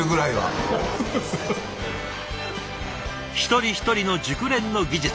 一人一人の熟練の技術。